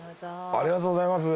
ありがとうございます！